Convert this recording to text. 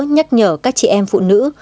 nhắc nhở các chị em phụ nữ